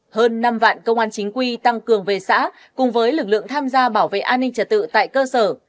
hơn năm vạn công an chính quy tăng cường về xã cùng với lực lượng tham gia bảo vệ an ninh trật tự tại cơ sở